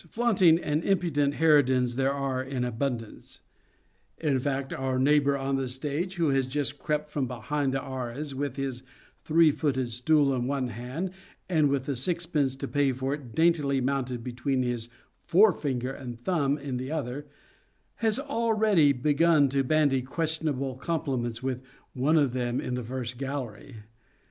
Flaunting and impudent harridans there are in abundance ; in fact, our neighbour on the stage, who has just crept from behind the arras with his three footed stool in one hand and with the sixpence to pay for it daintily mounted between his forefinger and thumb in the other, has already begun to bandy questionable compliments with one of them in the first gallery.